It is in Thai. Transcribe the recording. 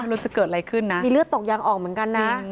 รู้จะเกิดอะไรขึ้นนะมีเลือดตกยางออกเหมือนกันนะ